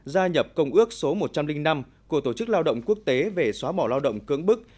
gia nhập công ước số một trăm linh năm của tổ chức lao động quốc tế về xóa bỏ lao động cưỡng bức